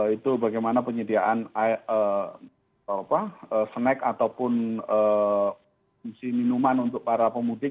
itu bagaimana penyediaan snack ataupun fungsi minuman untuk para pemudik